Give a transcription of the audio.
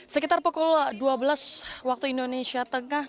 sekitar pukul dua belas waktu indonesia tengah